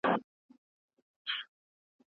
ایا تاسي د مریخ د سفر لپاره چمتو یاست؟